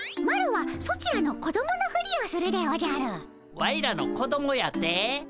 ワイらの子どもやて？